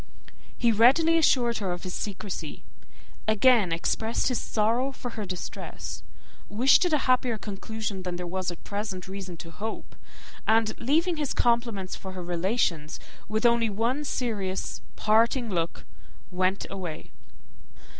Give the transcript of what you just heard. He readily assured her of his secrecy, again expressed his sorrow for her distress, wished it a happier conclusion than there was at present reason to hope, and, leaving his compliments for her relations, with only one serious parting look, went away.